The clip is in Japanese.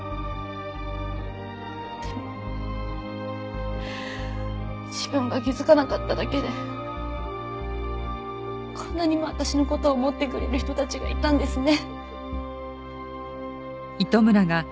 でも自分が気づかなかっただけでこんなにも私の事を思ってくれる人たちがいたんですね。